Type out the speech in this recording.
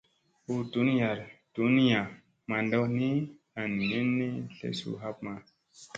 Hu ɗuniya manɗa ni, an minni tlesu hapma.